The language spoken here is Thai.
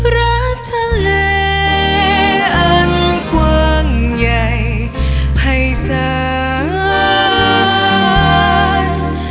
รักทะเลอันกว้างใหญ่ให้สะอาด